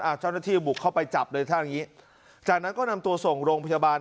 เจ้าหน้าที่บุกเข้าไปจับเลยถ้าอย่างงี้จากนั้นก็นำตัวส่งโรงพยาบาล